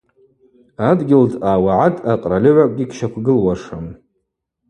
Адгьылдъа, уагӏадъа къральыгӏвакӏгьи гьщаквгылуашым.